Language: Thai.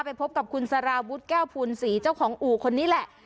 ไปพบกับคุณสารวุฒิแก้วภูลศรีเจ้าของอู่คนนี้แหละ